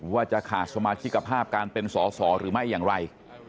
ว่าจะขาดสมาชิกภาพการเป็นสอสอหรือไม่อย่างไร